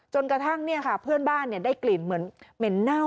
จนกระทั่งเพื่อนบ้านได้กลิ่นเหมือนเหม็นเน่า